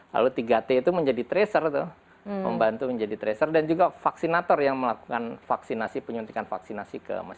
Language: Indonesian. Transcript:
lalu tiga t itu menjadi tracer tuh membantu menjadi tracer dan juga vaksinator yang melakukan vaksinasi penyuntikan vaksinasi ke masyarakat